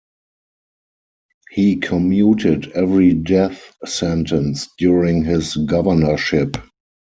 He commuted every death sentence during his governorship.